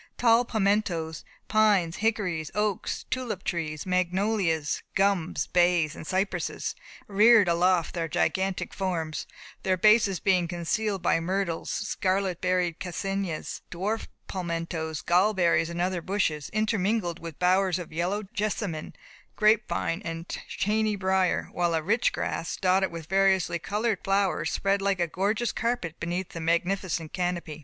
Tall palmettoes, pines, hickories, oaks, tulip trees, magnolias, gums, bays, and cypresses, reared aloft their gigantic forms, their bases being concealed by myrtles, scarlet berried cascenas, dwarf palmettoes, gallberries, and other bushes, intermingled with bowers of yellow jessamine, grape vine, and chainy brier; while a rich grass, dotted with variously coloured flowers, spread like a gorgeous carpet beneath the magnificent canopy.